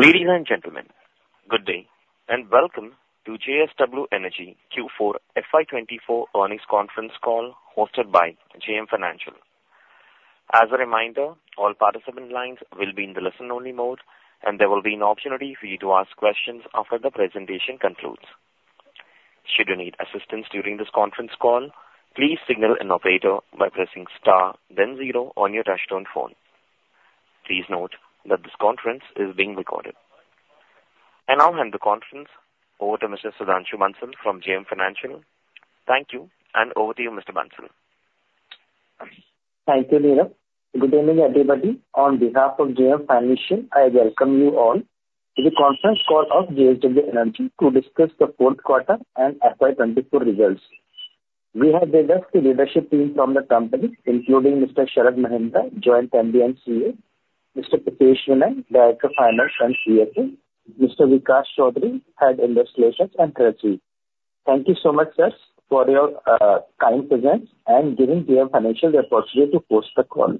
Ladies and gentlemen, good day, and welcome to JSW Energy Q4 FY 2024 earnings conference call hosted by JM Financial. As a reminder, all participant lines will be in the listen-only mode, and there will be an opportunity for you to ask questions after the presentation concludes. Should you need assistance during this conference call, please signal an operator by pressing star then zero on your touchtone phone. Please note that this conference is being recorded. I now hand the conference over to Mr. Sudhanshu Bansal from JM Financial. Thank you, and over to you, Mr. Bansal. Thank you, Nirav. Good evening, everybody. On behalf of JM Financial, I welcome you all to the conference call of JSW Energy to discuss the fourth quarter and FY 2024 results. We have the best leadership team from the company, including Mr. Sharad Mahendra, Joint MD & CEO; Mr. Pritesh Vinay, Director, Finance and CFO; Mr. Vikas Chaudhary, Head, Investor Relations and Treasury. Thank you so much, sirs, for your kind presence and giving JM Financial the opportunity to host the call.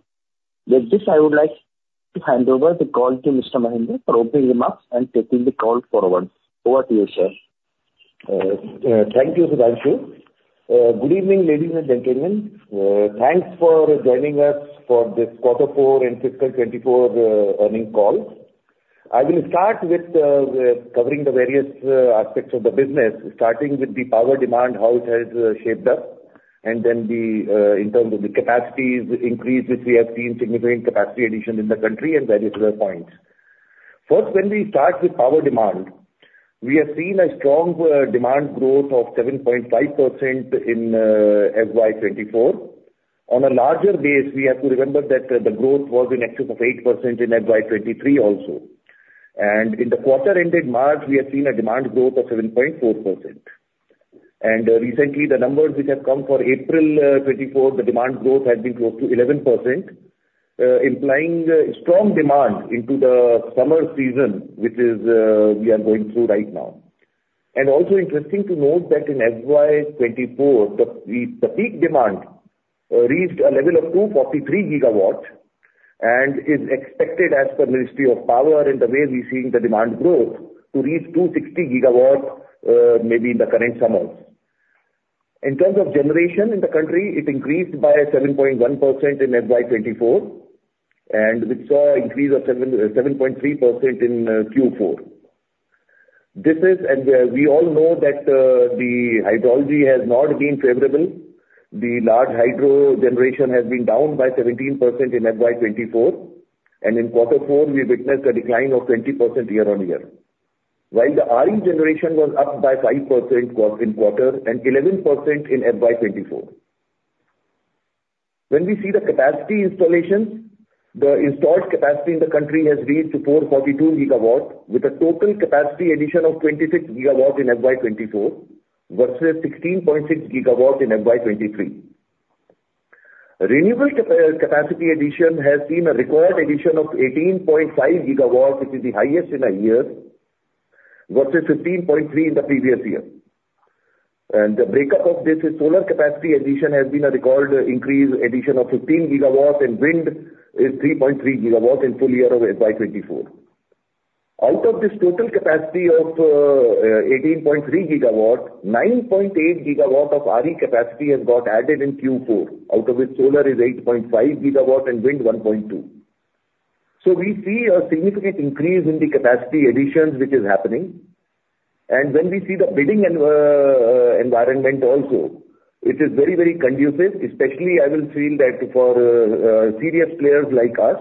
With this, I would like to hand over the call to Mr. Mahendra for opening remarks and taking the call forward. Over to you, sir. Thank you, Sudhanshu. Good evening, ladies and gentlemen. Thanks for joining us for this quarter four and fiscal 2024 earnings call. I will start with covering the various aspects of the business, starting with the power demand, how it has shaped up, and then in terms of the capacities increase, which we have seen significant capacity addition in the country and various other points. First, when we start with power demand, we have seen a strong demand growth of 7.5% in FY 2024. On a larger base, we have to remember that the growth was in excess of 8% in FY 2023 also. In the quarter ended March, we have seen a demand growth of 7.4%. Recently, the numbers which have come for April 2024, the demand growth has been close to 11%, implying a strong demand into the summer season, which is we are going through right now. Also interesting to note that in FY 2024, the peak demand reached a level of 243 GW and is expected, as per Ministry of Power, and the way we're seeing the demand growth, to reach 260 GW, maybe in the current summer. In terms of generation in the country, it increased by 7.1% in FY 2024, and we saw an increase of 7.3% in Q4. This is... We all know that the hydrology has not been favorable. The large hydro generation has been down by 17% in FY 2024, and in Q4, we witnessed a decline of 20% year-on-year. While the RE generation was up by 5% across the quarter and 11% in FY 2024. When we see the capacity installations, the installed capacity in the country has reached 442 GW, with a total capacity addition of 26 GW in FY 2024, versus 16.6 GW in FY 2023. Renewable capacity addition has seen a record addition of 18.5 GW, which is the highest in a year, versus 15.3 in the previous year. The breakup of this is, solar capacity addition has been a record increase addition of 15 GW, and wind is 3.3 GW in full year of FY 2024. Out of this total capacity of 18.3 GW, 9.8 GW of RE capacity has got added in Q4, out of which solar is 8.5 GW and wind 1.2. So we see a significant increase in the capacity additions which is happening. And when we see the bidding environment also, it is very, very conducive, especially I will feel that for serious players like us.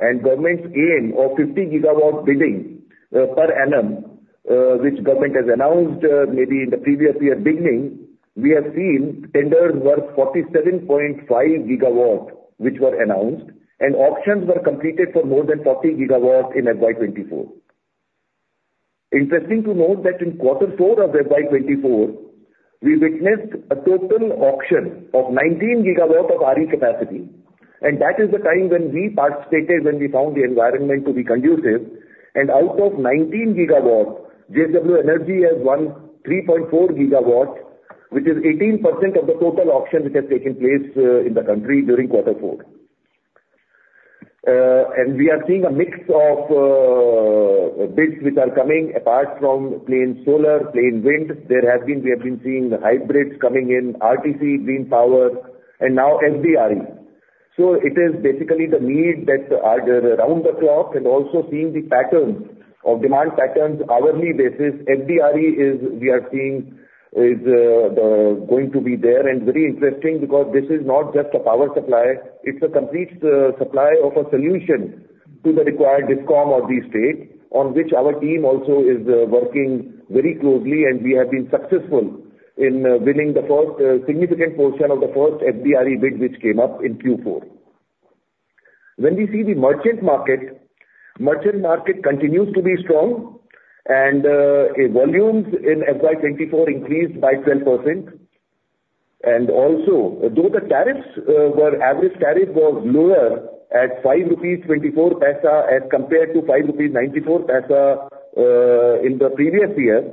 And government's aim of 50 GW bidding per annum, which government has announced, maybe in the previous year beginning, we have seen tenders worth 47.5 GW, which were announced, and auctions were completed for more than 40 GW in FY 2024. Interesting to note that in quarter four of FY 2024, we witnessed a total auction of 19 GW of RE capacity, and that is the time when we participated, when we found the environment to be conducive. And out of 19 GW, JSW Energy has won 3.4 GW, which is 18% of the total auction which has taken place, in the country during quarter four. And we are seeing a mix of, bids which are coming apart from plain solar, plain wind. There has been, we have been seeing hybrids coming in, RTC, green power and now FDRE. So it is basically the need that are, round the clock and also seeing the patterns of demand patterns, hourly basis. FDRE is, we are seeing, is going to be there, and very interesting because this is not just a power supply, it's a complete supply of a solution to the required DISCOM or the state, on which our team also is working very closely. And we have been successful in winning the first significant portion of the first FDRE bid, which came up in Q4. When we see the merchant market, merchant market continues to be strong, and volumes in FY 2024 increased by 12%. And also, though the tariffs were average tariff was lower at 5.24 rupees as compared to 5.94 rupees in the previous year.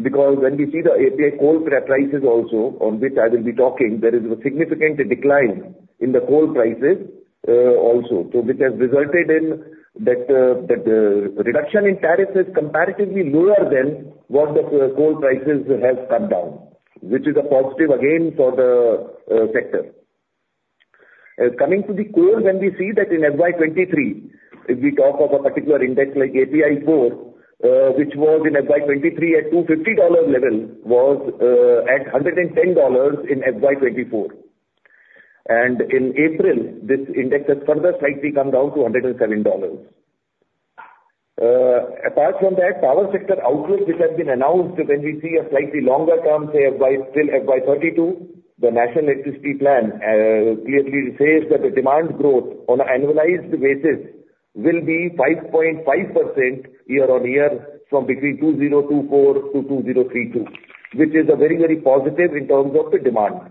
Because when we see the API 4 coal prices also, on which I will be talking, there is a significant decline in the coal prices also. So which has resulted in that, that the reduction in tariff is comparatively lower than what the coal prices have come down, which is a positive again for the, sector. Coming to the coal, when we see that in FY 2023, if we talk of a particular index like API 4, which was in FY 2023 at $250 level, was, at $110 in FY 2024. And in April, this index has further slightly come down to $107. Apart from that, power sector outlook, which has been announced, when we see a slightly longer term, say, FY till FY 2032, the National Electricity Plan clearly says that the demand growth on an annualized basis will be 5.5% year-on-year from between 2024 to 2032, which is a very, very positive in terms of the demand.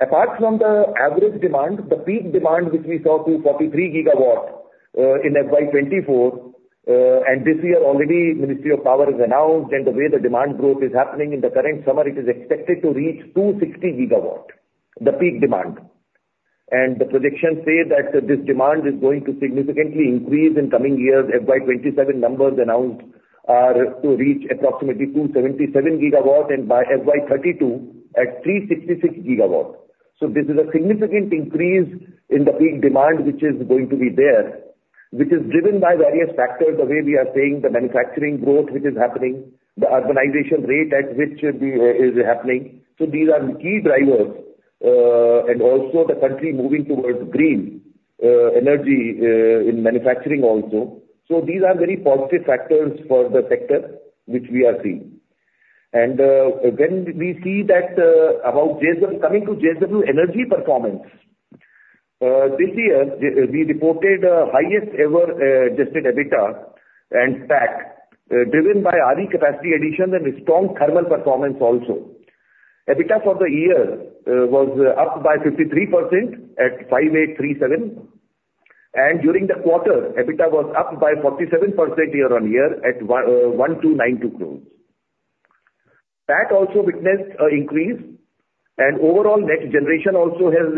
Apart from the average demand, the peak demand, which we saw, 243 GW in FY 2024, and this year already, Ministry of Power has announced and the way the demand growth is happening in the current summer, it is expected to reach 260 GW, the peak demand. And the predictions say that this demand is going to significantly increase in coming years. FY 2027 numbers announced are to reach approximately 277 GW and by FY 2032, at 366 GW. So this is a significant increase in the peak demand, which is going to be there, which is driven by various factors. The way we are seeing the manufacturing growth, which is happening, the urbanization rate at which should be, is happening. So these are the key drivers, and also the country moving towards green energy in manufacturing also. So these are very positive factors for the sector, which we are seeing. And, when we see that, about JSW Energy performance this year, we reported the highest ever adjusted EBITDA and PAT, driven by RE capacity addition and a strong thermal performance also. EBITDA for the year was up by 53% at 5,837 crore, and during the quarter, EBITDA was up by 47% year-on-year at 1,292 crore. PAT also witnessed an increase, and overall net generation also has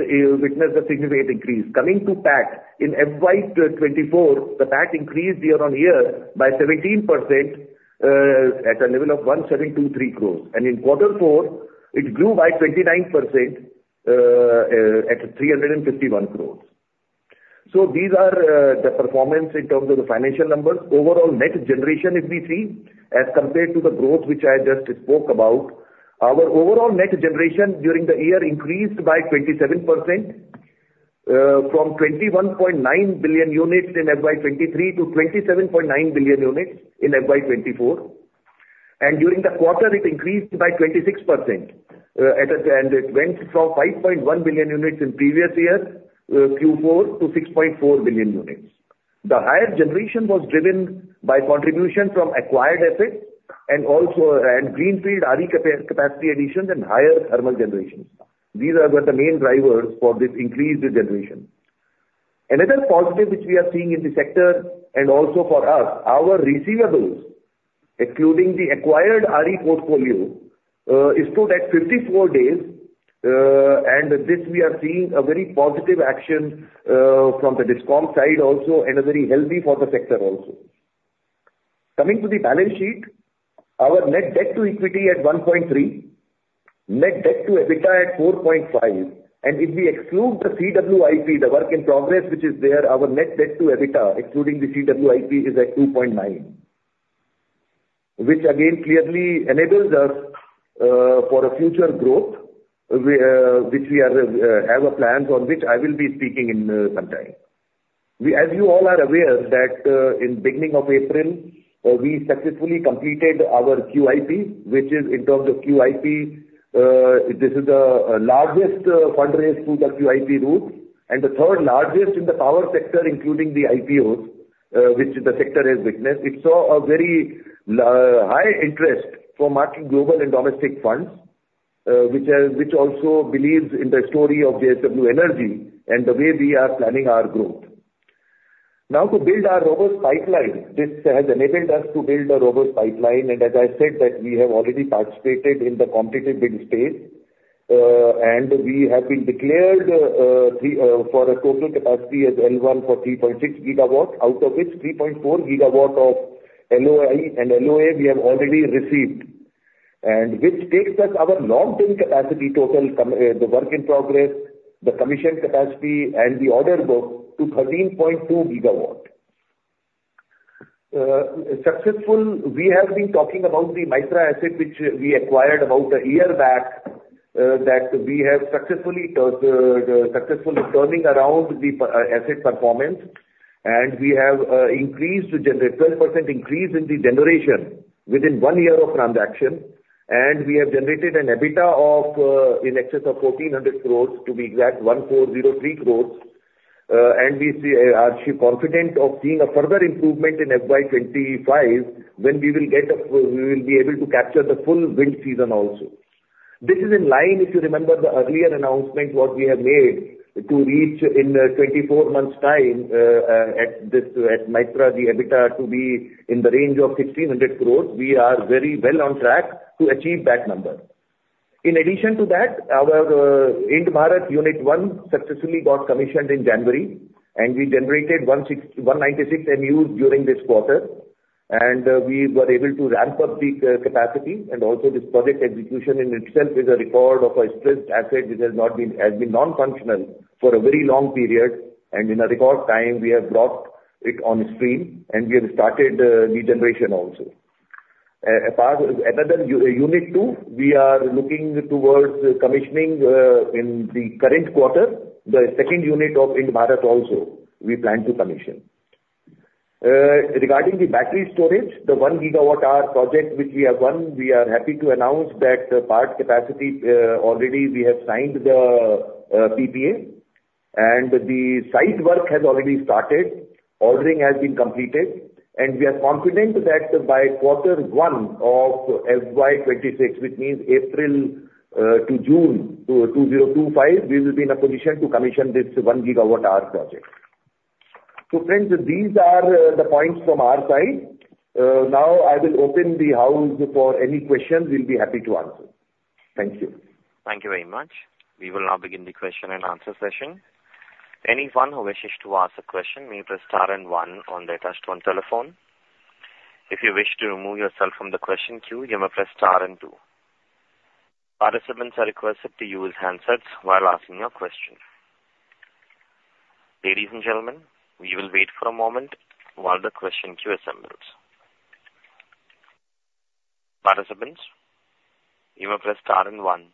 witnessed a significant increase. Coming to PAT, in FY 2024, the PAT increased year-on-year by 17% at a level of 1,723 crore, and in Quarter 4, it grew by 29% at 351 crore. So these are the performance in terms of the financial numbers. Overall net generation, if we see, as compared to the growth which I just spoke about, our overall net generation during the year increased by 27% from 21.9 billion units in FY 2023 to 27.9 billion units in FY 2024. During the quarter, it increased by 26%, and it went from 5.1 billion units in previous year Q4 to 6.4 billion units. The higher generation was driven by contribution from acquired assets and also greenfield RE capacity additions and higher thermal generations. These are the main drivers for this increased generation. Another positive which we are seeing in the sector, and also for us, our receivables, including the acquired RE portfolio, is stood at 54 days, and this we are seeing a very positive action from the DISCOM side also and are very healthy for the sector also. Coming to the balance sheet, our net debt-to-equity at 1.3, net debt-to-EBITDA at 4.5. If we exclude the CWIP, the work in progress, which is there, our net debt-to-EBITDA, excluding the CWIP, is at 2.9. Which again, clearly enables us for a future growth, which we are have a plan for which I will be speaking in some time. We as you all are aware, that in beginning of April, we successfully completed our QIP, which is in terms of QIP, this is the largest fundraise through the QIP route and the third largest in the power sector including the IPOs, which the sector has witnessed. It saw a very high interest from much global and domestic funds, which has, which also believes in the story of JSW Energy and the way we are planning our growth. Now, to build our robust pipeline, this has enabled us to build a robust pipeline, and as I said, that we have already participated in the competitive bid space, and we have been declared L1 for three for a total capacity of 3.6 GW, out of which 3.4 GW of LoI and LoA we have already received, and which takes our long-term capacity total, the work in progress, the commissioned capacity, and the order book to 13.2 GW. We have been successful, we have been talking about the Mytrah asset, which we acquired about a year back, that we have successfully turning around the PPA asset performance, and we have increased to generate 12% increase in the generation within one year of transaction. And we have generated an EBITDA of 1,400 crores, to be exact, 1,403 crores. And we see, are confident of seeing a further improvement in FY 2025, when we will get a, we will be able to capture the full wind season also. This is in line, if you remember the earlier announcement, what we have made to reach in, 24 months' time, at Mytrah, the EBITDA to be in the range of 1,600 crores. We are very well on track to achieve that number. In addition to that, our Ind-Barath Unit One successfully got commissioned in January, and we generated 196 MU during this quarter, and, we were able to ramp up the, capacity. Also this project execution in itself is a record of a stressed asset which has been non-functional for a very long period, and in a record time we have brought it on stream and we have started the generation also. Apart, another Unit 2, we are looking towards commissioning in the current quarter, the second unit of Ind-Barath also, we plan to commission. Regarding the battery storage, the 1 GWh project, which we have won, we are happy to announce that part capacity already we have signed the PPA, and the site work has already started, ordering has been completed, and we are confident that by quarter 1 of FY 26, which means April to June 2025, we will be in a position to commission this 1 GWh project. So friends, these are the points from our side. Now I will open the floor for any questions, we'll be happy to answer. Thank you. Thank you very much. We will now begin the question and answer session. Anyone who wishes to ask a question, may press star and one on their touchtone telephone. If you wish to remove yourself from the question queue, you may press star and two. Participants are requested to use handsets while asking your question. Ladies and gentlemen, we will wait for a moment while the question queue assembles. Participants, you may press star and one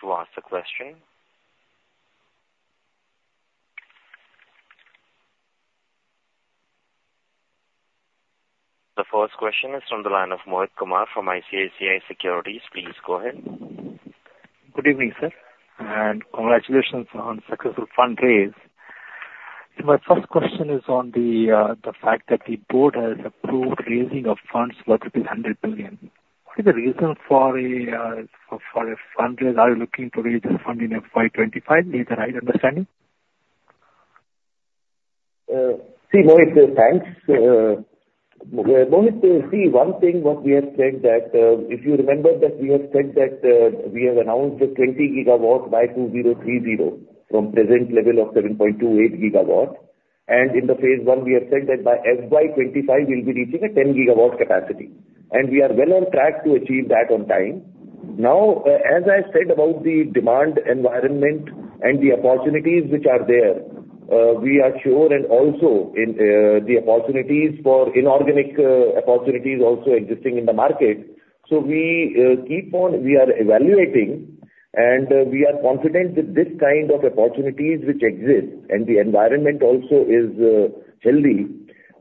to ask the question. The first question is from the line of Mohit Kumar, from ICICI Securities. Please go ahead. Good evening, sir, and congratulations on successful fundraise. My first question is on the fact that the board has approved raising of funds worth 100 billion. What is the reason for a fundraise? Are you looking to raise this fund in FY 25? Is that right understanding? See, Mohit, thanks. Mohit, see, one thing what we have said that, if you remember that we have said that, we have announced 20 GW by 2030 from present level of 7.28 GW. In the phase one, we have said that by FY 2025, we'll be reaching a 10 GW capacity, and we are well on track to achieve that on time. Now, as I said about the demand environment and the opportunities which are there, we are sure, and also in, the opportunities for inorganic, opportunities also existing in the market. So we keep on, we are evaluating, and we are confident that this kind of opportunities which exist, and the environment also is healthy,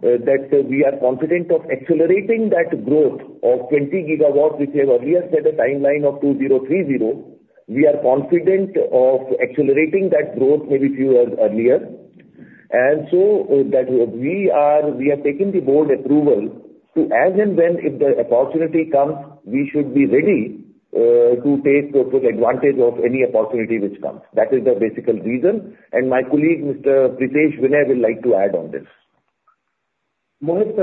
that we are confident of accelerating that growth of 20 GW, which we have earlier set a timeline of 2030. We are confident of accelerating that growth maybe few years earlier. And so, that we are, we have taken the board approval to, as and when if the opportunity comes, we should be ready to take full advantage of any opportunity which comes. That is the basically reason, and my colleague, Mr. Pritesh Vinay, will like to add on this. Mohit,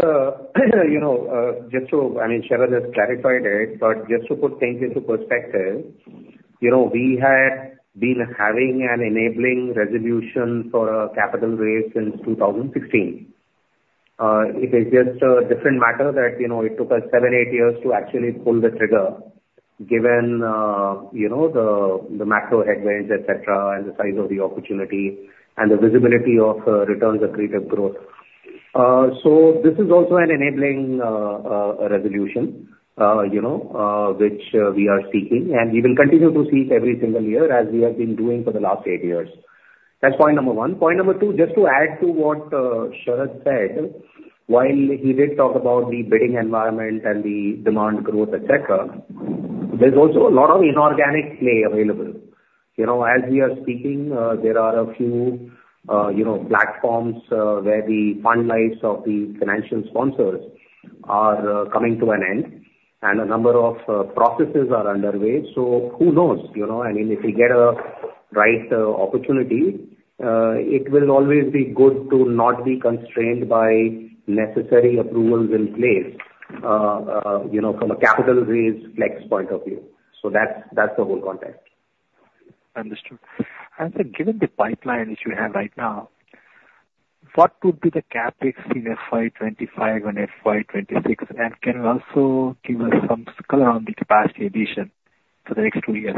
you know, just to... I mean, Sharad has clarified it, but just to put things into perspective, you know, we had been having an enabling resolution for a capital raise since 2016. It is just a different matter that, you know, it took us 7-8 years to actually pull the trigger, given, you know, the macro headwinds, et cetera, and the size of the opportunity and the visibility of returns accretive growth. So this is also an enabling resolution, you know, which we are seeking, and we will continue to seek every single year, as we have been doing for the last 8 years. That's point number one. Point number two, just to add to what, Sharad said, while he did talk about the bidding environment and the demand growth, et cetera, there's also a lot of inorganic play available. You know, as we are speaking, there are a few, you know, platforms, where the fund lives of the financial sponsors are, coming to an end, and a number of, processes are underway. So who knows? You know, I mean, if we get a right, opportunity, it will always be good to not be constrained by necessary approvals in place, you know, from a capital raise flex point of view. So that's, that's the whole context. Understood. I said, given the pipeline which you have right now, what would be the CapEx in FY 25 and FY 26? And can you also give us some color on the capacity addition for the next two years?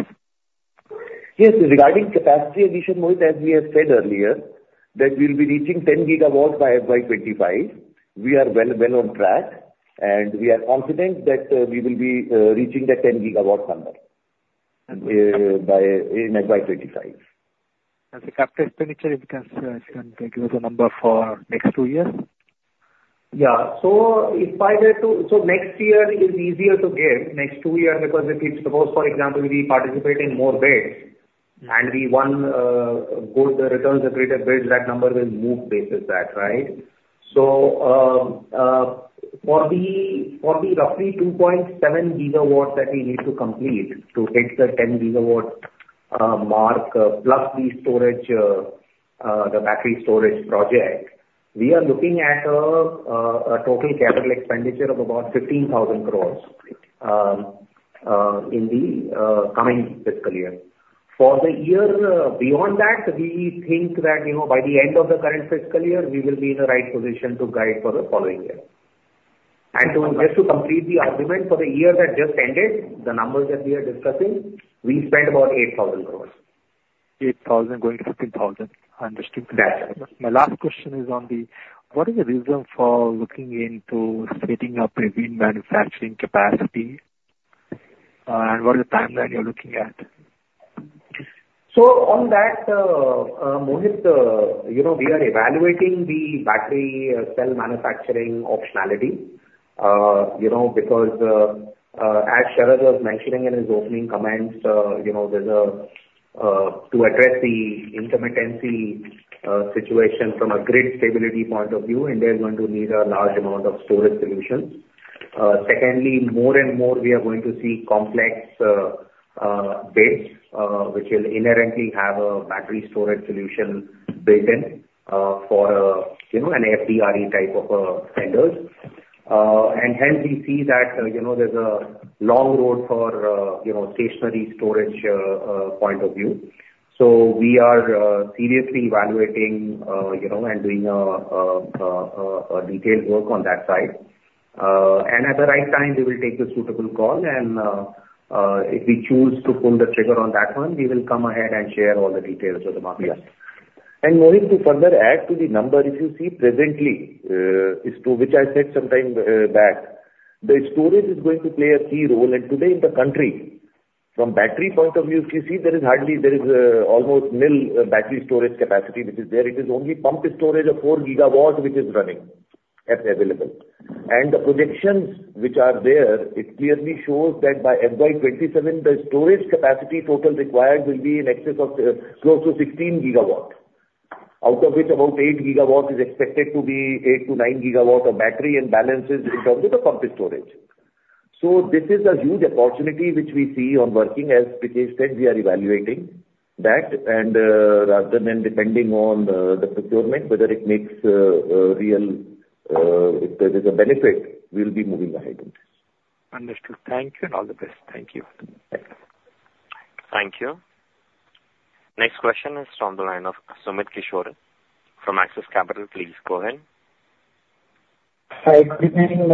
Yes, regarding capacity addition, Mohit, as we have said earlier, that we'll be reaching 10 GW by FY 2025. We are well, well on track, and we are confident that, we will be, reaching the 10 GW number, by, in FY 2025. As a CapEx expenditure, if you can, if you can give us a number for next two years? Yeah. So next year is easier to give, next two years, because if it's, suppose, for example, we participate in more bids-... and we won both the returns, the greater bids, that number will move basis that, right? So, for the roughly 2.7 GW that we need to complete to hit the 10 GW mark, plus the storage, the battery storage project, we are looking at a total capital expenditure of about 15,000 crore in the coming fiscal year. For the year beyond that, we think that, you know, by the end of the current fiscal year, we will be in the right position to guide for the following year. And to just complete the argument, for the year that just ended, the numbers that we are discussing, we spent about 8,000 crore. 8,000-15,000. I understand. Yes. My last question is on the, what is the reason for looking into setting up a green manufacturing capacity, and what is the timeline you're looking at? So on that, Mohit, you know, we are evaluating the battery cell manufacturing optionality. You know, because, as Sharad was mentioning in his opening comments, you know, there's a to address the intermittency situation from a grid stability point of view, India is going to need a large amount of storage solutions. Secondly, more and more we are going to see complex bids, which will inherently have a battery storage solution built in, for you know, an FDRE type of tenders. And hence we see that, you know, there's a long road for you know, stationary storage point of view. So we are seriously evaluating, you know, and doing a detailed work on that side. At the right time, we will take the suitable call, and if we choose to pull the trigger on that one, we will come ahead and share all the details with the market. Yes. And Mohit, to further add to the number, if you see presently, as I said sometime back, the storage is going to play a key role. And today in the country, from battery point of view, if you see, there is hardly, there is, almost nil, battery storage capacity which is there. It is only pumped storage of 4 GW which is running as available. And the projections which are there, it clearly shows that by FY 2027, the storage capacity total required will be in excess of, close to 16 GW. Out of which about 8 GW is expected to be 8-9 GW of battery, and balance is in terms of the pumped storage. So this is a huge opportunity which we see ongoing. As Vinay said, we are evaluating that, and rather than depending on the procurement, whether it makes a real if there is a benefit, we'll be moving ahead. Understood. Thank you, and all the best. Thank you. Thank you. Thank you. Next question is from the line of Sumit Kishore from Axis Capital. Please go ahead. Hi, good evening...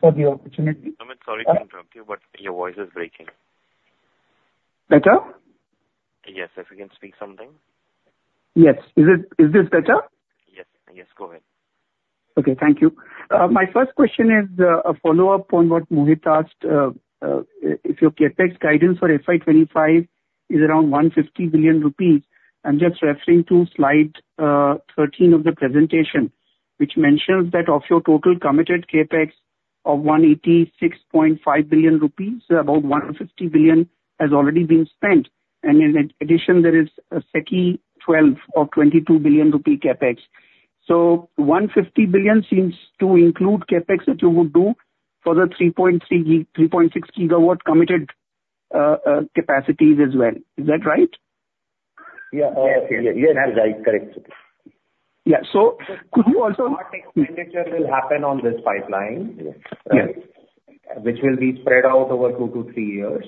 For the opportunity. Sumit, sorry to interrupt you, but your voice is breaking. Better? Yes, if you can speak something. Yes. Is this, is this better? Yes. Yes, go ahead. Okay. Thank you. My first question is a follow-up on what Mohit asked. If your CapEx guidance for FY 2025 is around 150 billion rupees, I'm just referring to slide 13 of the presentation, which mentions that of your total committed CapEx of 186.5 billion rupees, about 150 billion has already been spent. And in addition, there is a SECI XII of 22 billion rupee CapEx. So 150 billion seems to include CapEx that you would do for the 3.3, 3.6 GW committed capacities as well. Is that right? Yeah. Yes. Yes, that's right. Correct. Yeah. So could you also- Expenditure will happen on this pipeline- Yes. -which will be spread out over 2-3 years.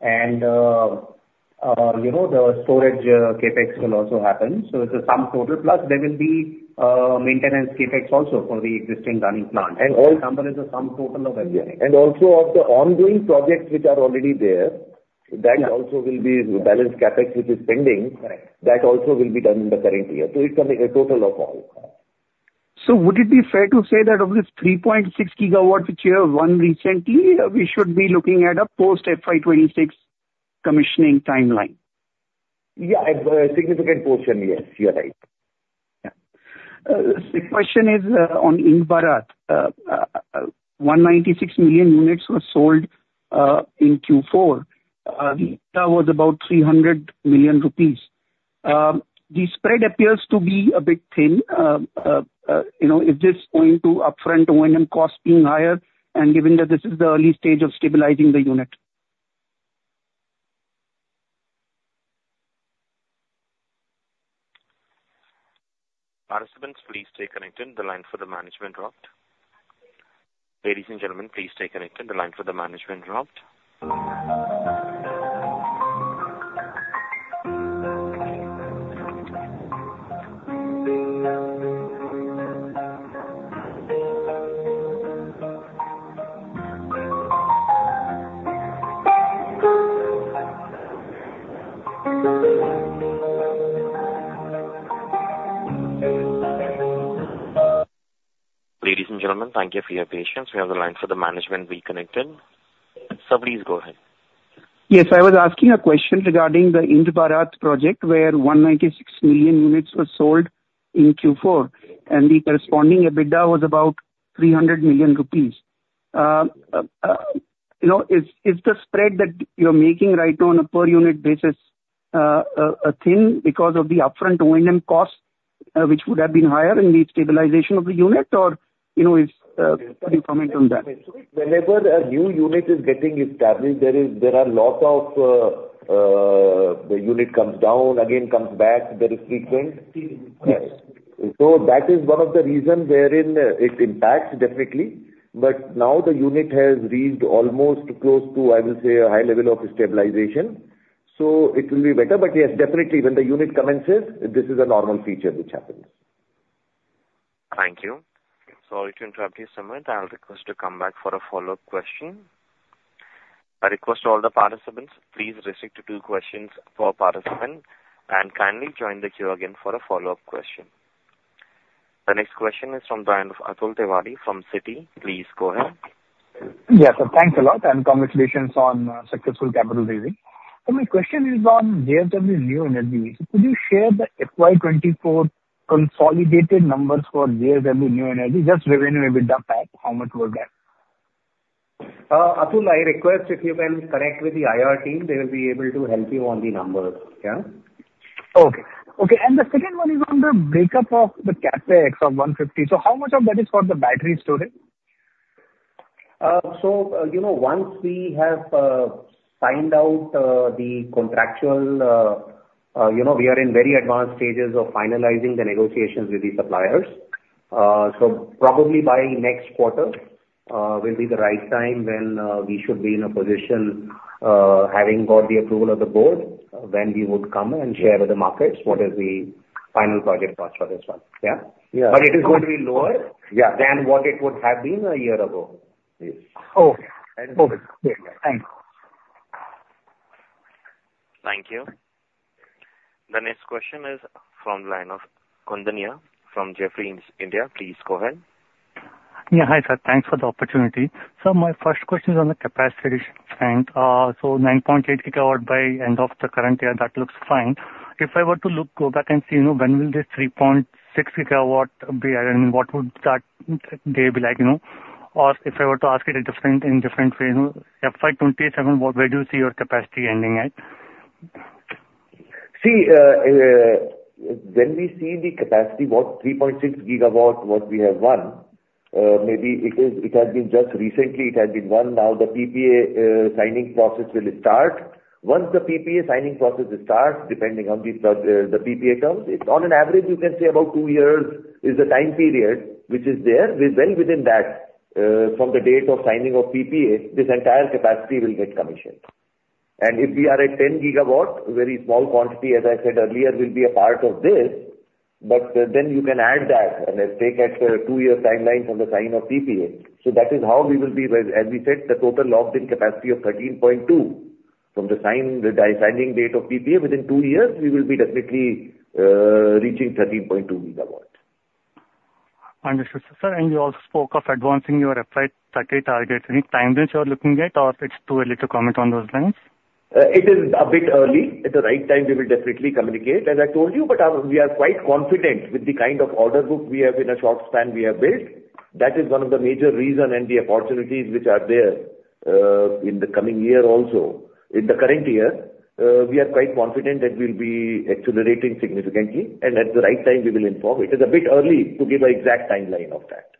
And, you know, the storage CapEx will also happen, so it's a sum total. Plus, there will be maintenance CapEx also for the existing running plant. And all- Sum total of CapEx. Also, of the ongoing projects which are already there, that also will be balance CapEx, which is pending. Correct. That also will be done in the current year, so it's a total of all. Would it be fair to say that of this 3.6 GW which you have won recently, we should be looking at a post FY 2026 commissioning timeline? Yeah, a significant portion, yes, you're right. Yeah. The question is on Ind-Barath. 196 million units were sold in Q4. The EBITDA was about 300 million rupees. The spread appears to be a bit thin. You know, is this owing to upfront O&M costs being higher, and given that this is the early stage of stabilizing the unit? Participants, please stay connected. The line for the management dropped. Ladies and gentlemen, please stay connected. The line for the management dropped. Ladies and gentlemen, thank you for your patience. We have the line for the management reconnected. Sir, please go ahead. Yes, I was asking a question regarding the Ind-Barath project, where 196 million units were sold in Q4, and the corresponding EBITDA was about 300 million rupees. You know, is the spread that you're making right on a per unit basis thin because of the upfront O&M cost, which would have been higher in the stabilization of the unit? Or, you know, could you comment on that? Whenever a new unit is getting established, there is, there are lots of, the unit comes down, again comes back, there is frequent. Yes. So that is one of the reasons wherein it impacts definitely. But now the unit has reached almost close to, I will say, a high level of stabilization, so it will be better. But yes, definitely when the unit commences, this is a normal feature which happens. Thank you. Sorry to interrupt you, Sumit. I'll request to come back for a follow-up question. I request all the participants, please restrict to two questions per participant, and kindly join the queue again for a follow-up question. The next question is from Atul Tiwari from Citi. Please go ahead. Yes, sir, thanks a lot, and congratulations on successful capital raising. So my question is on JSW Neo Energy. Could you share the FY 2024 consolidated numbers for JSW Neo Energy? Just revenue with the fact, how much was that? Atul, I request if you can connect with the IR team. They will be able to help you on the numbers, yeah? Okay. Okay, and the second one is on the breakup of the CapEx of 150. So how much of that is for the battery storage? So, you know, once we have signed out the contractual, you know, we are in very advanced stages of finalizing the negotiations with the suppliers. So probably by next quarter, will be the right time when we should be in a position, having got the approval of the board, when we would come and share with the markets what is the final project cost for this one. Yeah? Yeah. But it is going to be lower- Yeah than what it would have been a year ago. Yes. Oh, okay. Great. Thanks. Thank you. The next question is from the line of Koundinya, from Jefferies India. Please go ahead. Yeah. Hi, sir. Thanks for the opportunity. Sir, my first question is on the capacity front. So 9.8 GW by end of the current year, that looks fine. If I were to look, go back and see, you know, when will this 3.6 GW be, and what would that day be like, you know? Or if I were to ask it a different, in different way, you know, FY 2027, where, where do you see your capacity ending at? See, when we see the capacity, what 3.6 GW, what we have won, maybe it is, it has been just recently, it has been won. Now, the PPA signing process will start. Once the PPA signing process starts, depending on the PPA terms, it's on an average, you can say about two years is the time period which is there, within, within that, from the date of signing of PPA, this entire capacity will get commissioned. And if we are at 10 GW, very small quantity, as I said earlier, will be a part of this. But then you know can add that, and let's take a two-year timeline from the sign of PPA. So that is how we will be well, as we said, the total locked-in capacity of 13.2. From the signing date of PPA, within two years, we will be definitely reaching 13.2 GW. Understood, sir. You also spoke of advancing your FY 2030 targets. Any time frame you are looking at, or it's too early to comment on those lines? It is a bit early. At the right time, we will definitely communicate, as I told you, but, we are quite confident with the kind of order book we have in a short span we have built. That is one of the major reason and the opportunities which are there, in the coming year also. In the current year, we are quite confident that we'll be accelerating significantly, and at the right time we will inform. It is a bit early to give an exact timeline of that.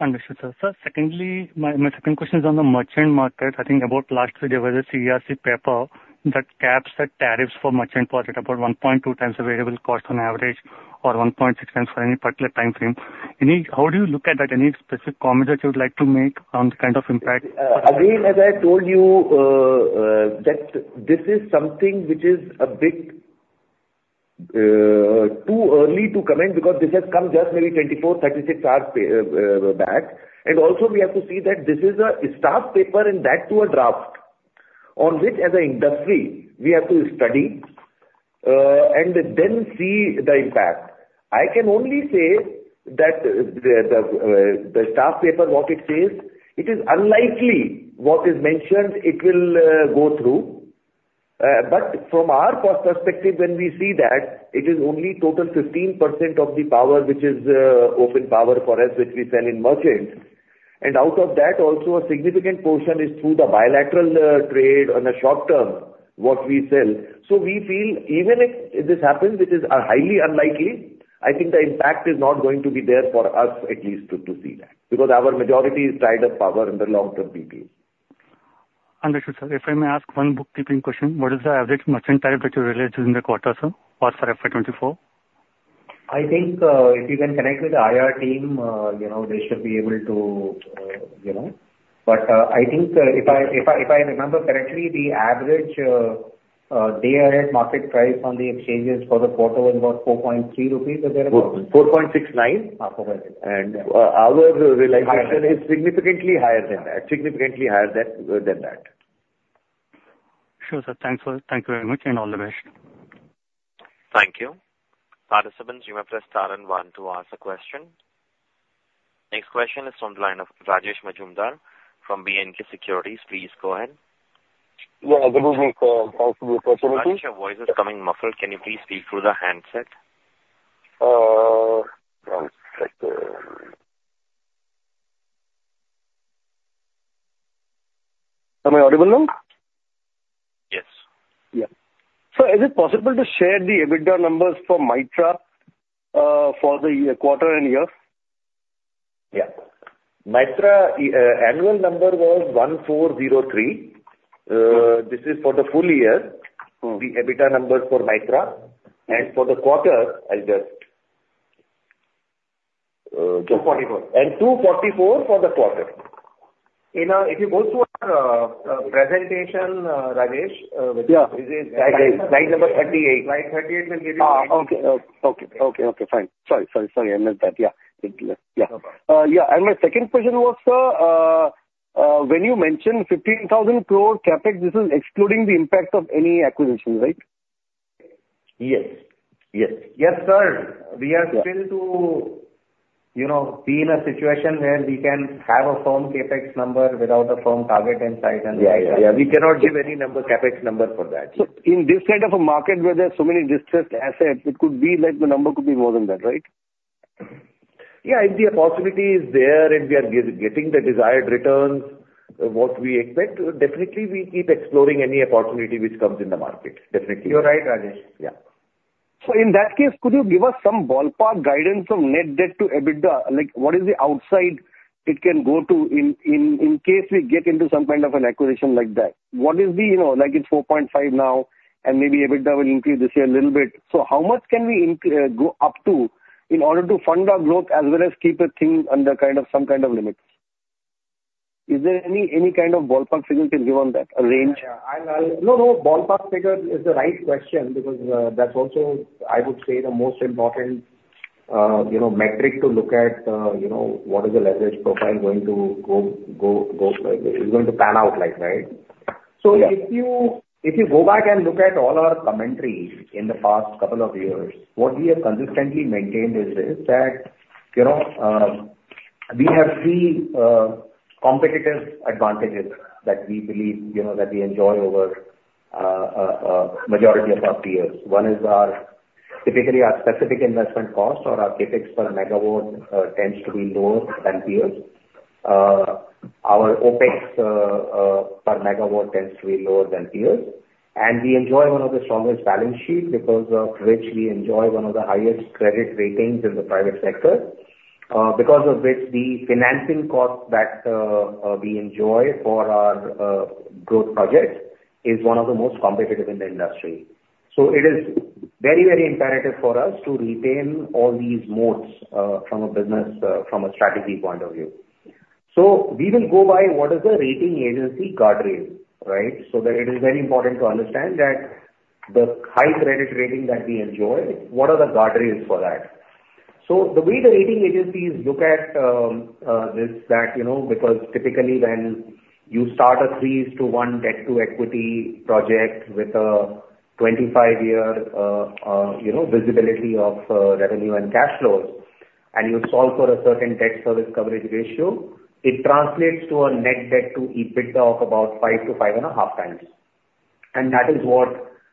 Understood, sir. Sir, secondly, my second question is on the merchant market. I think about last week there was a CERC paper that caps the tariffs for merchant power at about 1.2 times the variable cost on average, or 1.6 times for any particular time frame. Any... How do you look at that? Any specific comments that you would like to make on the kind of impact? Again, as I told you, that this is something which is a bit too early to comment, because this has come just maybe 24, 36 hours back. And also we have to see that this is a staff paper, and that too, a draft, on which as an industry we have to study, and then see the impact. I can only say that the staff paper, what it says, it is unlikely what is mentioned it will go through. But from our perspective, when we see that, it is only total 15% of the power, which is open power for us, which we sell in merchant. And out of that, also a significant portion is through the bilateral trade on the short term, what we sell. So we feel even if, if this happens, which is highly unlikely, I think the impact is not going to be there for us at least to, to see that, because our majority is tied up power in the long-term PPs. Understood, sir. If I may ask one bookkeeping question: What is the average merchant tariff that you released in the quarter, sir, or for FY 2024? I think, if you can connect with the IR team, you know, they should be able to, you know. But, I think if I remember correctly, the average day-ahead market price on the exchanges for the quarter was about 4.3 rupees. Is that about 4.69. 4.69. Our realization is significantly higher than that. Significantly higher than that. Sure, sir. Thank you very much, and all the best. Thank you. Participants, you may press star and one to ask a question. Next question is from the line of Rajesh Majumdar from B&K Securities. Please go ahead. Yeah, good morning, thanks for the opportunity. Rajesh, your voice is coming muffled. Can you please speak through the handset?... Am I audible now? Yes. Yeah. So is it possible to share the EBITDA numbers for Mytrah, for the year, quarter and year? Yeah. Mytrah annual number was 1403. This is for the full year- Mm-hmm. the EBITDA numbers for Mytrah. And for the quarter, I'll just, Two forty-four. 244 for the quarter. You know, if you go to our presentation, Rajesh, Yeah. Which is slide number 38. Slide 38 will give you- Ah, okay, okay. Okay, okay, fine. Sorry, sorry, sorry, I missed that. Yeah. Yeah. No problem. Yeah, and my second question was, sir, when you mentioned 15,000 crore CapEx, this is excluding the impact of any acquisition, right? Yes. Yes. Yes, sir. We are still to, you know, be in a situation where we can have a firm CapEx number without a firm target in sight and- Yeah. Yeah, yeah. We cannot give any number, CapEx number for that. In this kind of a market where there are so many distressed assets, it could be like the number could be more than that, right? Yeah, if the possibility is there and we are getting the desired returns, what we expect, definitely we keep exploring any opportunity which comes in the market. Definitely. You're right, Rajesh. Yeah. So in that case, could you give us some ballpark guidance from net debt to EBITDA? Like, what is the outside it can go to in case we get into some kind of an acquisition like that? What is the... You know, like, it's 4.5 now, and maybe EBITDA will increase this year a little bit. So how much can we go up to, in order to fund our growth as well as keep the thing under kind of, some kind of limits? Is there any kind of ballpark figure to give on that, a range? Yeah, yeah. No, no, ballpark figure is the right question because that's also, I would say, the most important, you know, metric to look at, you know, what is the leverage profile going to go is going to pan out like, right? Yeah. So if you, if you go back and look at all our commentaries in the past couple of years, what we have consistently maintained is this, that, you know, we have three competitive advantages that we believe, you know, that we enjoy over majority of our peers. One is our, typically our specific investment cost or our CapEx per MW tends to be lower than peers. Our OPEX per MW tends to be lower than peers. And we enjoy one of the strongest balance sheet, because of which we enjoy one of the highest credit ratings in the private sector. Because of which the financing cost that we enjoy for our growth projects is one of the most competitive in the industry. So it is very, very imperative for us to retain all these moats, from a business, from a strategy point of view. So we will go by what is the rating agency guard rail, right? So that it is very important to understand that the high credit rating that we enjoy, what are the guard rails for that? So the way the rating agencies look at, you know, because typically when you start a 3:1 debt to equity project with a 25-year, you know, visibility of, revenue and cash flows, and you solve for a certain debt service coverage ratio, it translates to a net debt to EBITDA of about 5-5.5 times. And that is what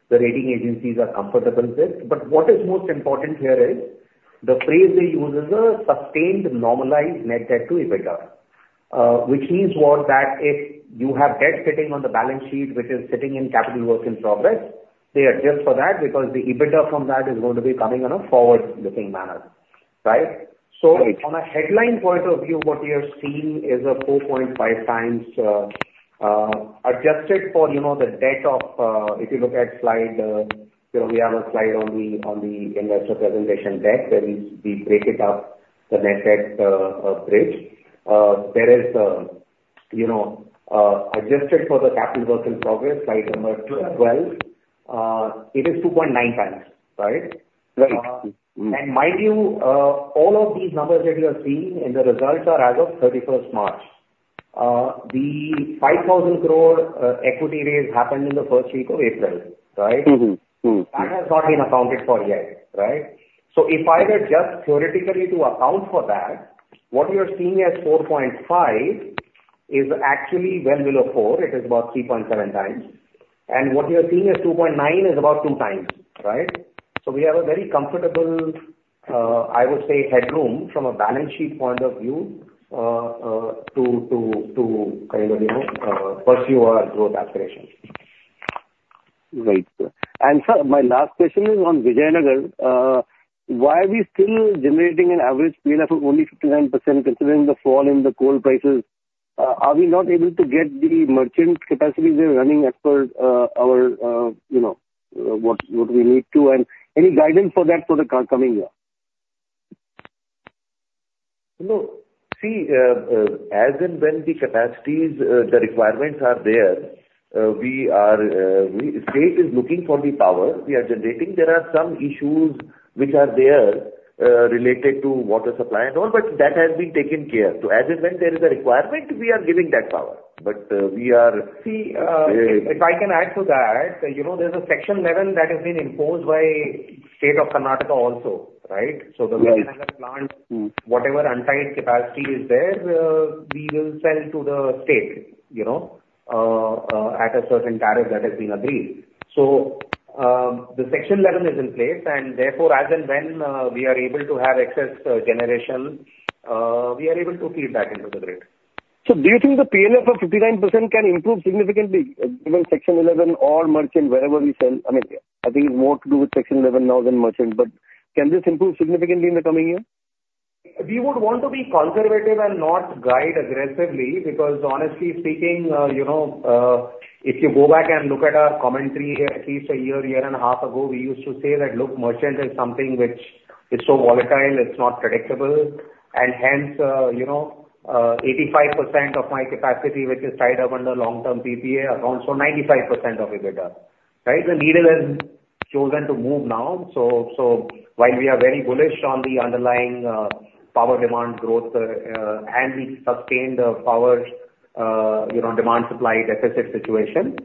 the rating agencies are comfortable with. But what is most important here is, the phrase they use is a sustained normalized net debt to EBITDA. Which means what? That if you have debt sitting on the balance sheet, which is sitting in capital work in progress, they adjust for that because the EBITDA from that is going to be coming in a forward-looking manner, right? Right. So from a headline point of view, what we are seeing is a 4.5x, adjusted for, you know, the debt of, if you look at slide, you know, we have a slide on the, on the investor presentation deck, where we, we break it up, the net debt, bridge. There is, you know, adjusted for the capital work in progress, slide number 12, it is 2.9x, right? Right. Mm. And mind you, all of these numbers that you are seeing, and the results are as of 31st March. The 5,000 crore equity raise happened in the first week of April, right? Mm-hmm, mm, mm. That has not been accounted for yet, right? So if I were just theoretically to account for that, what you are seeing as 4.5 is actually well below 4. It is about 3.7 times. And what you are seeing as 2.9 is about 2 times, right? So we have a very comfortable, I would say, headroom from a balance sheet point of view, to kind of, you know, pursue our growth aspirations. Right. And sir, my last question is on Vijayanagar. Why are we still generating an average PLF of only 59%, considering the fall in the coal prices? Are we not able to get the merchant capacity we are running as per our, you know, what we need to? And any guidance for that for the coming year? No. See, as and when the capacities, the requirements are there, we are, we- the state is looking for the power we are generating. There are some issues which are there, related to water supply and all, but that has been taken care. So as and when there is a requirement, we are giving that power. But, we are- See, if, if I can add to that, you know, there's a Section 11 that has been imposed by State of Karnataka also, right? Right. The Vijayanagar plant- Mm. Whatever untied capacity is there, we will sell to the state, you know, at a certain tariff that has been agreed. So, the Section 11 is in place, and therefore, as and when we are able to have excess generation, we are able to feed back into the grid. ...So do you think the PLF of 59% can improve significantly, even Section 11 or merchant, wherever we sell? I mean, I think it's more to do with Section 11 now than merchant, but can this improve significantly in the coming year? We would want to be conservative and not guide aggressively, because honestly speaking, you know, if you go back and look at our commentary, at least a year and a half ago, we used to say that, "Look, merchant is something which is so volatile, it's not predictable," and hence, you know, 85% of my capacity, which is tied up under long-term PPA, accounts for 95% of EBITDA, right? The needle has chosen to move now. So while we are very bullish on the underlying power demand growth and the sustained power demand supply deficit situation,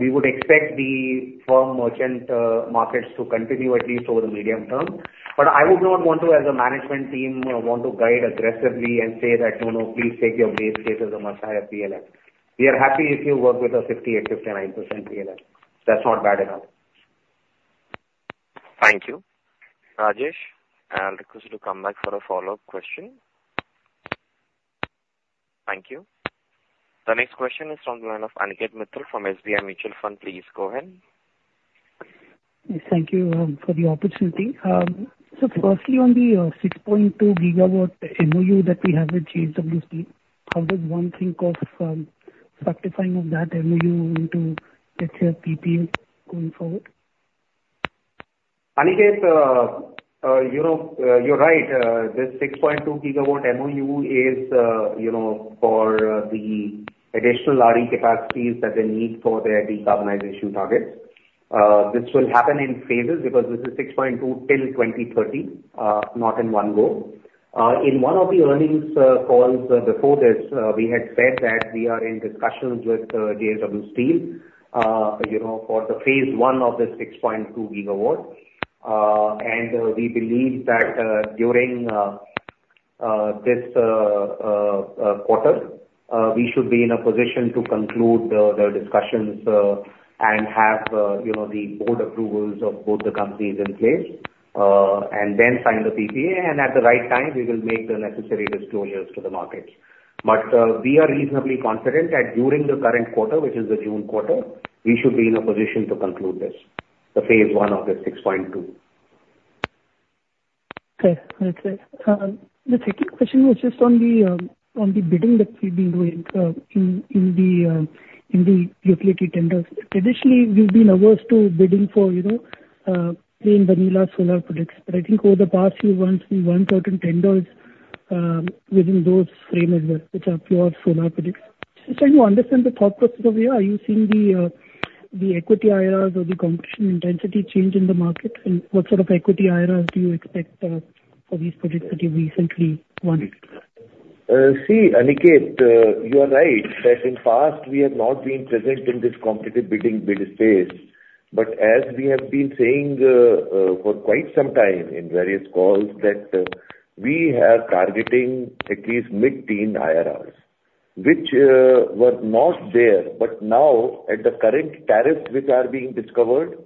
we would expect the firm merchant markets to continue at least over the medium term. But I would not want to, as a management team, want to guide aggressively and say that, "No, no, please take your base case as a much higher PLF." We are happy if you work with a 58%-59% PLF. That's not bad at all. Thank you. Rajesh, I'll request you to come back for a follow-up question. Thank you. The next question is from the line of Aniket Mittal from SBI Mutual Fund. Please go ahead. Thank you for the opportunity. So firstly, on the 6.2 GW MOU that we have with JSW, how does one think of structurizing of that MOU into, let's say, a PPA going forward? Aniket, you know, you're right. This 6.2 GW MOU is, you know, for the additional RE capacities that they need for their decarbonization targets. This will happen in phases because this is 6.2 till 2030, not in one go. In one of the earnings calls before this, we had said that we are in discussions with JSW Steel, you know, for the phase one of this 6.2 GW. And we believe that, this quarter, we should be in a position to conclude the discussions, and have, you know, the board approvals of both the companies in place, and then sign the PPA, and at the right time, we will make the necessary disclosures to the markets. But, we are reasonably confident that during the current quarter, which is the June quarter, we should be in a position to conclude this, the phase one of the 6.2. Okay. That's it. The second question was just on the bidding that we've been doing in the utility tenders. Traditionally, we've been averse to bidding for, you know, plain vanilla solar projects, but I think over the past few months, we won certain tenders within those frame as well, which are pure solar projects. Just trying to understand the thought process over here. Are you seeing the equity IRRs or the competition intensity change in the market? And what sort of equity IRRs do you expect for these projects that you recently won? See, Aniket, you are right, that in past we have not been present in this competitive bidding, bid space. But as we have been saying, for quite some time in various calls, that, we are targeting at least mid-teen IRRs, which, were not there. But now, at the current tariffs which are being discovered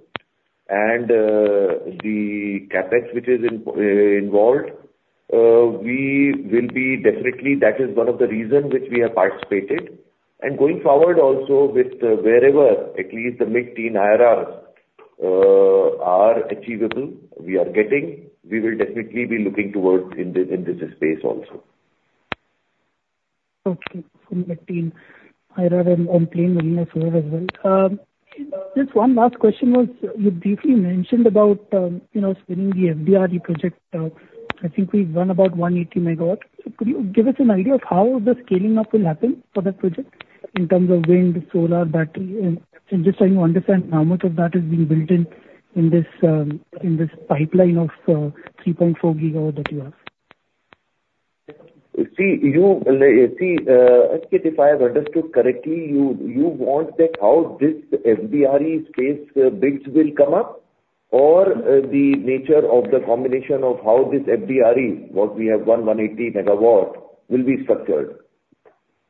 and, the CapEx which is involved, we will be definitely, that is one of the reasons which we have participated. And going forward also with wherever, at least the mid-teen IRR, are achievable, we are getting, we will definitely be looking towards in this, in this space also. Okay. So mid-teen IRR and, and plain vanilla solar as well. Just one last question was, you briefly mentioned about, you know, spinning the FDRE project. I think we've won about 180 MW. So could you give us an idea of how the scaling up will happen for that project in terms of wind, solar, battery? And I'm just trying to understand how much of that is being built in, in this, in this pipeline of, 3.4 GW that you have. You see, Aniket, if I have understood correctly, you, you want that how this FDRE space, bids will come up? Or, the nature of the combination of how this FDRE, what we have won, 180 MW, will be structured?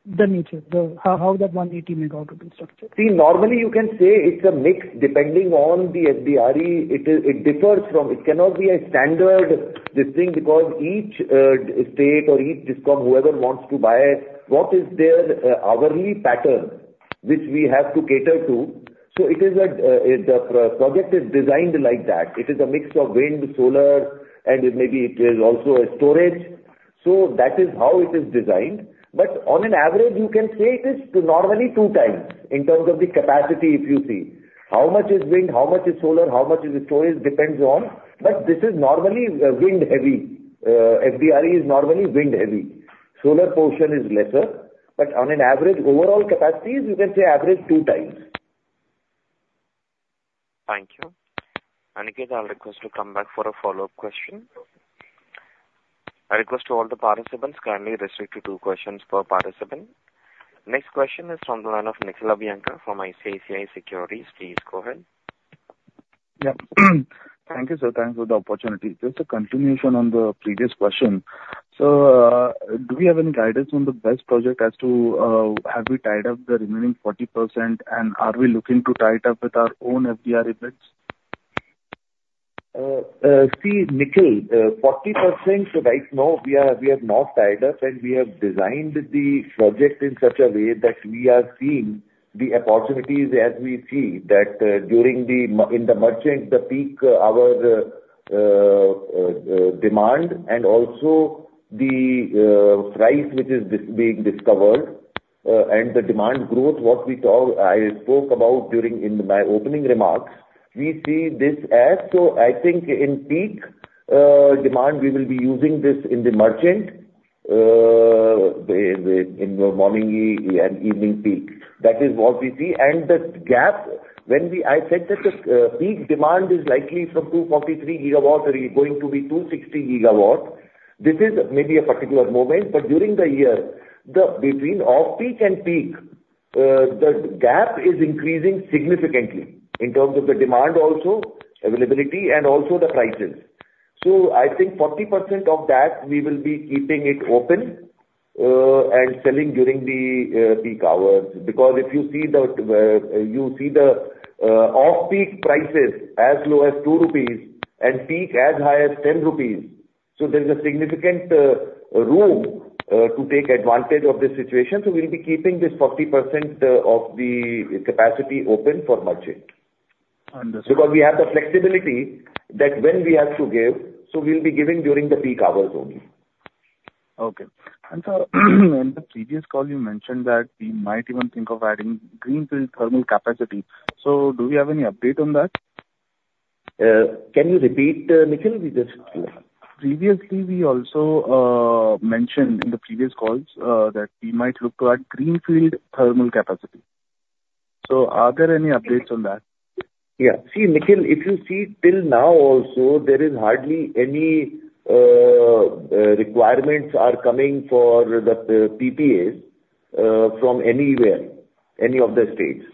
The nature. How that 180 MW will be structured. See, normally you can say it's a mix. Depending on the FDRE, it is; it differs from.... It cannot be a standard, this thing, because each state or each DISCOM, whoever wants to buy, what is their hourly pattern, which we have to cater to. So it is a project is designed like that. It is a mix of wind, solar, and it maybe it is also a storage. So that is how it is designed. But on an average, you can say it is normally two times in terms of the capacity if you see. How much is wind, how much is solar, how much is the storage, depends on, but this is normally wind heavy. FDRE is normally wind heavy. Solar portion is lesser, but on an average, overall capacities, you can say average two times. Thank you. Aniket, I'll request you to come back for a follow-up question. I request to all the participants, kindly restrict to two questions per participant. Next question is from the line of Nikhil Abhyankar from ICICI Securities. Please go ahead. Yeah. Thank you, sir. Thanks for the opportunity. Just a continuation on the previous question. So, do we have any guidance on the BESS project as to, have we tied up the remaining 40%, and are we looking to tie it up with our own FDRE bids?... See, Nikhil, 40% right now, we are, we have not tied up, and we have designed the project in such a way that we are seeing the opportunities as we see that, during the in the merchant, the peak, our demand and also the price which is being discovered, and the demand growth, what we talk, I spoke about during in my opening remarks. We see this as, so I think in peak demand, we will be using this in the merchant, the, the, in the morning and evening peak. That is what we see. And the gap, when we I said that the peak demand is likely from 243 GW are going to be 260 GW. This is maybe a particular moment, but during the year, between off-peak and peak, the gap is increasing significantly in terms of the demand also, availability and also the prices. So I think 40% of that, we will be keeping it open and selling during the peak hours. Because if you see the off-peak prices as low as 2 rupees and peak as high as 10 rupees, so there is a significant room to take advantage of this situation. So we'll be keeping this 40% of the capacity open for merchant. Understood. Because we have the flexibility that when we have to give, so we'll be giving during the peak hours only. Okay. Sir, in the previous call, you mentioned that we might even think of adding greenfield thermal capacity. Do we have any update on that? Can you repeat, Nikhil? We just- Previously, we also mentioned in the previous calls that we might look to add greenfield thermal capacity. So are there any updates on that? Yeah. See, Nikhil, if you see till now also, there is hardly any requirements are coming for the PPAs from anywhere, any of the states.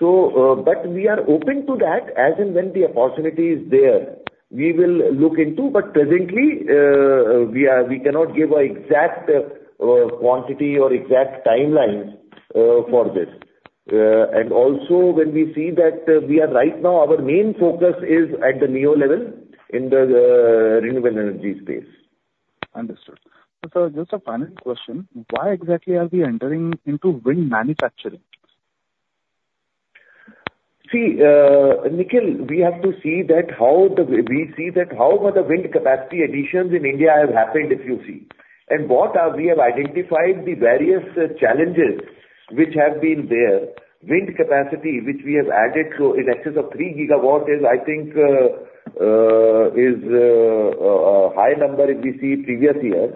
So, but we are open to that, as and when the opportunity is there, we will look into, but presently, we are, we cannot give an exact quantity or exact timelines for this. And also when we see that, we are right now, our main focus is at the neo level in the renewable energy space. Understood. So sir, just a final question, why exactly are we entering into wind manufacturing? See, Nikhil, we have to see that how the wind capacity additions in India have happened, if you see, and what are, we have identified the various challenges which have been there. Wind capacity, which we have added to in excess of 3 GW, is, I think, a high number if you see previous years.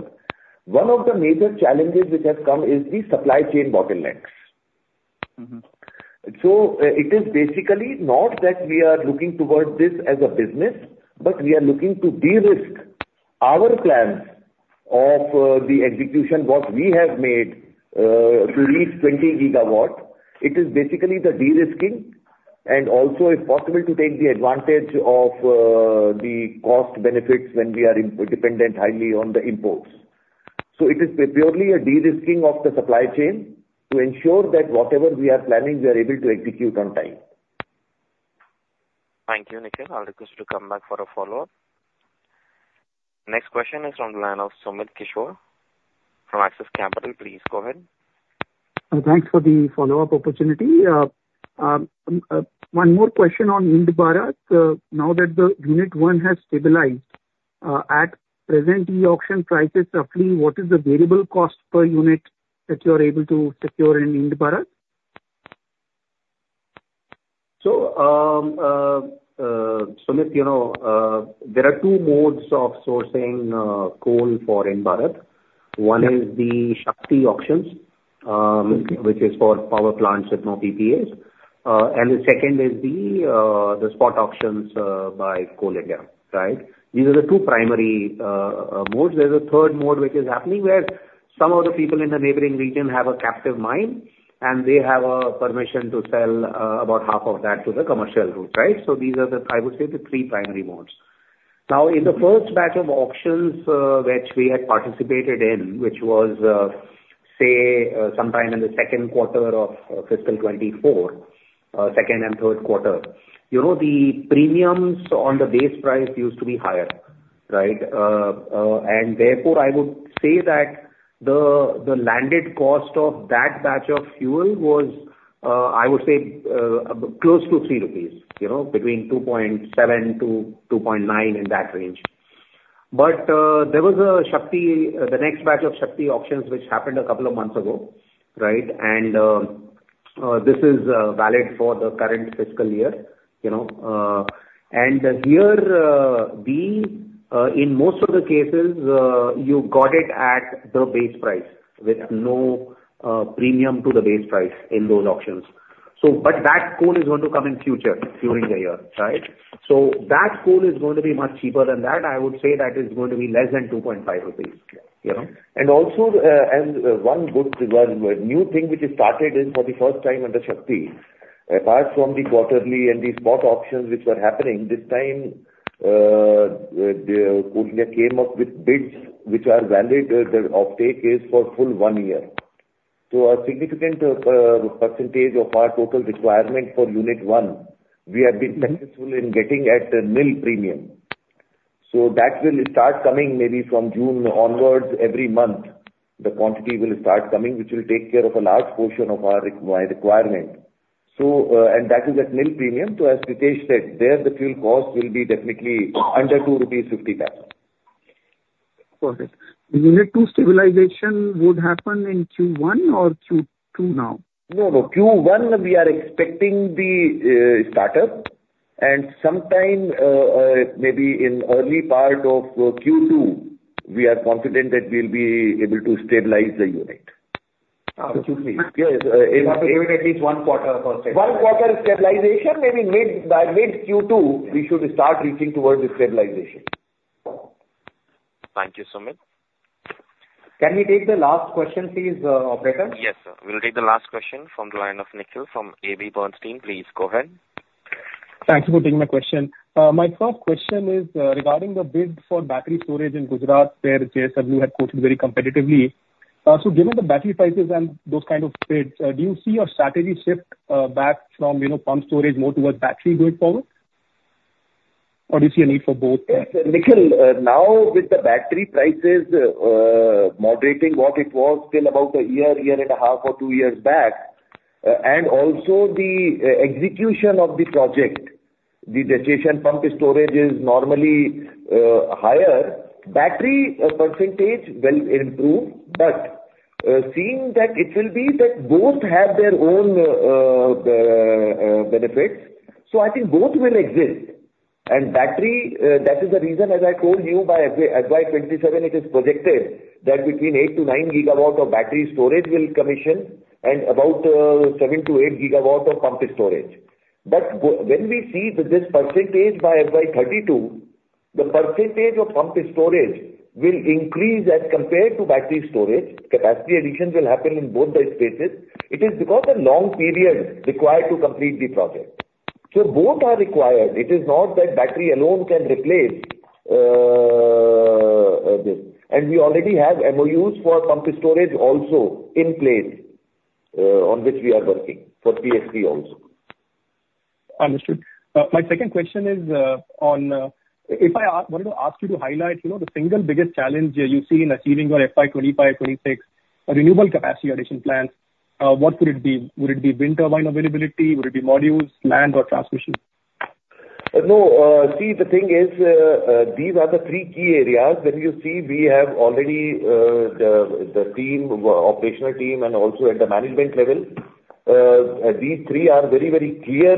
One of the major challenges which has come is the supply chain bottlenecks. Mm-hmm. So, it is basically not that we are looking towards this as a business, but we are looking to de-risk our plans of, the execution, what we have made, to reach 20 GW. It is basically the de-risking and also it's possible to take the advantage of, the cost benefits when we are import-dependent highly on the imports. So it is purely a de-risking of the supply chain to ensure that whatever we are planning, we are able to execute on time. Thank you, Nikhil. I'll request you to come back for a follow-up. Next question is on the line of Sumit Kishore from Axis Capital. Please go ahead. Thanks for the follow-up opportunity. One more question on Ind-Barath. Now that the unit one has stabilized, at present the auction price is roughly, what is the variable cost per unit that you are able to secure in Ind-Barath? Sumit, you know, there are two modes of sourcing coal for Ind-Barath. Yeah. One is the SHAKTI auctions. Mm-hmm. -which is for power plants with no PPAs. And the second is the spot auctions by Coal India, right? These are the two primary modes. There's a third mode which is happening, where some of the people in the neighboring region have a captive mine, and they have a permission to sell about half of that to the commercial group, right? So these are the, I would say, the three primary modes. Now, in the first batch of auctions which we had participated in, which was, say, sometime in the second quarter of fiscal 2024, second and third quarter, you know, the premiums on the base price used to be higher, right? And therefore, I would say that the landed cost of that batch of fuel was, I would say, close to 3 rupees, you know, between 2.7-2.9, in that range. But, there was a SHAKTI, the next batch of SHAKTI auctions, which happened a couple of months ago, right? And, this is valid for the current fiscal year, you know. And here, we, in most of the cases, you got it at the base price, with no premium to the base price in those auctions. So but that coal is going to come in future during the year, right? So that coal is going to be much cheaper than that. I would say that is going to be less than 2.5 rupees, you know. One good new thing which is started for the first time under SHAKTI, apart from the quarterly and the spot auctions which were happening, this time the Coal India came up with bids which are valid, the offtake is for full 1 year. So a significant percentage of our total requirement for Unit 1, we have been successful in getting at the nil premium. So that will start coming maybe from June onwards. Every month, the quantity will start coming, which will take care of a large portion of our requirement. So, and that is at nil premium. So as Pritesh said, there the fuel cost will be definitely under 2.50 rupees. Got it. Unit 2 stabilization would happen in Q1 or Q2 now? No, no. Q1, we are expecting the startup, and sometime maybe in early part of Q2, we are confident that we'll be able to stabilize the unit. Ah, Q3. Yes, you have to give it at least one quarter for stabilization. One quarter stabilization, maybe mid, by mid-Q2, we should start reaching towards the stabilization. Thank you, Sumit. Can we take the last question, please, operator? Yes, sir. We'll take the last question from the line of Nikhil from AB Bernstein. Please go ahead. Thanks for taking my question. My first question is regarding the bid for battery storage in Gujarat, where JSW had quoted very competitively. So given the battery prices and those kind of bids, do you see your strategy shift back from, you know, pumped storage more towards battery going forward? Or do you see a need for both? Yes, Nikhil, now with the battery prices moderating what it was till about a year, year and a half or two years back, and also the execution of the project, the gestation pumped storage is normally higher. Battery percentage will improve, but seeing that it will be that both have their own benefits, so I think both will exist. And battery, that is the reason, as I told you, by FY FY27, it is projected that between 8-9 GW of battery storage will commission and about 7-8 GW of pumped storage. But when we see this percentage by FY32, the percentage of pumped storage will increase as compared to battery storage. Capacity additions will happen in both the spaces. It is because of long period required to complete the project. So both are required. It is not that battery alone can replace this. And we already have MOUs for pumped storage also in place, on which we are working for PHC also. Understood. My second question is on if I wanted to ask you to highlight, you know, the single biggest challenge that you see in achieving your FY 2025-2026 renewable capacity addition plan, what could it be? Would it be wind turbine availability? Would it be modules, land or transmission? No. See, the thing is, these are the three key areas when you see we have already, the team, operational team and also at the management level, these three are very, very clear,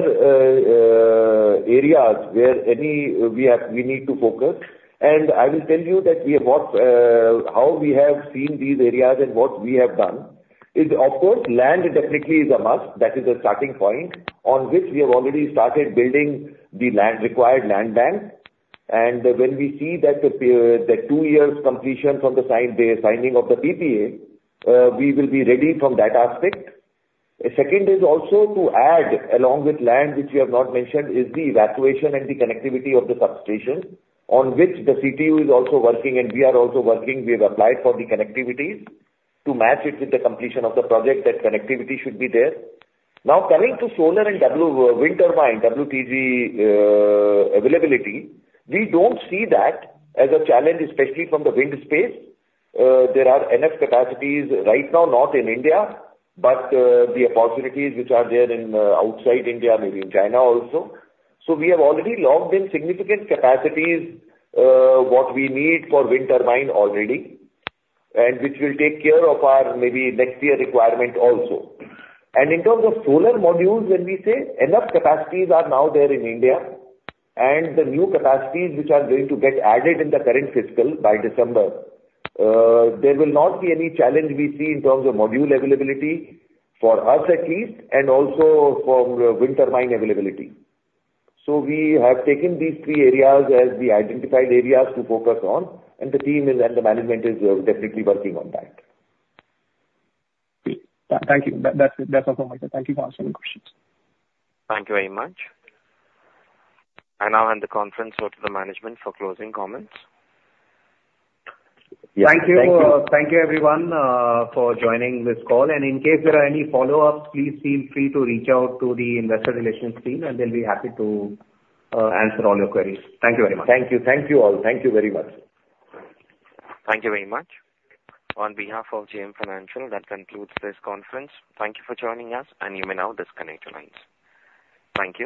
areas where we need to focus. And I will tell you how we have seen these areas and what we have done is, of course, land definitely is a must. That is the starting point on which we have already started building the land, required land bank. And when we see that the two years completion from the signing of the PPA, we will be ready from that aspect. Second is also to add, along with land, which we have not mentioned, is the evacuation and the connectivity of the substation on which the CTU is also working and we are also working. We have applied for the connectivities to match it with the completion of the project, that connectivity should be there. Now, coming to solar and wind turbine, WTG, availability, we don't see that as a challenge, especially from the wind space. There are enough capacities right now, not in India, but the opportunities which are there in outside India, maybe in China also. So we have already locked in significant capacities, what we need for wind turbine already, and which will take care of our maybe next year requirement also. In terms of solar modules, when we say enough capacities are now there in India, and the new capacities which are going to get added in the current fiscal by December, there will not be any challenge we see in terms of module availability for us at least, and also for wind turbine availability. We have taken these three areas as the identified areas to focus on, and the team is, and the management is, definitely working on that. Great. Thank you. That's all from my side. Thank you for answering the questions. Thank you very much. I now hand the conference over to the management for closing comments. Yes. Thank you. Thank you, everyone, for joining this call, and in case there are any follow-ups, please feel free to reach out to the investor relations team, and they'll be happy to answer all your queries. Thank you very much. Thank you. Thank you, all. Thank you very much. Thank you very much. On behalf of JM Financial, that concludes this conference. Thank you for joining us, and you may now disconnect your lines. Thank you.